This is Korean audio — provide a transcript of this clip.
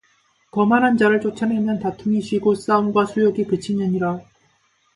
거만한 자를 쫓아내면 다툼이 쉬고 싸움과 수욕이 그치느니라